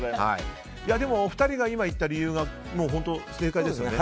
でも、お二人が今言った理由が本当に正解ですね。